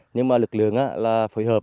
nhưng lực lượng phải hợp